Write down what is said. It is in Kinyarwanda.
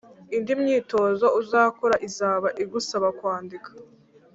Indi myitozo uzakora izaba igusaba kwandika.